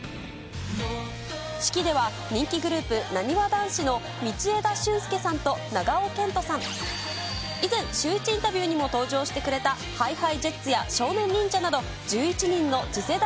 式では、人気グループ、なにわ男子の道枝駿佑さんと長尾謙杜さん、以前、シューイチインタビューにも登場してくれたＨｉＨｉＪｅｔｓや少年忍者など、１１人の次世代